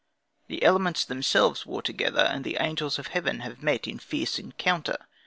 The elements themselves war together, and the angels of heaven have met in fierce encounter.